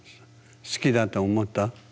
好きだと思った？